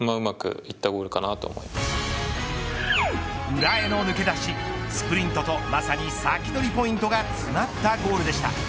裏への抜け出し、スプリントとまさにサキドリポイントが詰まったゴールでした。